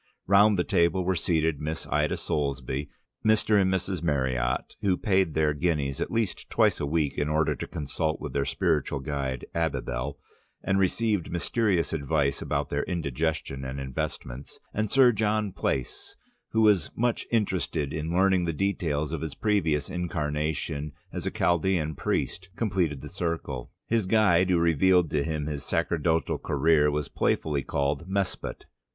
Round the table were seated Miss Ida Soulsby, Mr. and Mrs. Meriott (who paid their guineas at least twice a week in order to consult their spiritual guide Abibel and received mysterious advice about their indigestion and investments), and Sir John Plaice, who was much interested in learning the details of his previous incarnation as a Chaldean priest, completed the circle. His guide, who resealed to him his sacerdotal career, was playfully called Mespot.